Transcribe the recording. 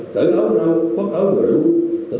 tham gia hoạt động mặt trận tổ quốc việt nam hiện nay